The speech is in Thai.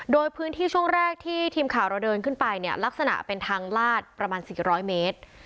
โดยพื้นที่ช่วงแรกที่ทีมข่าวเราเดินขึ้นไปเนี่ยลักษณะเป็นทางลาดประมาณ๔๐๐เมตร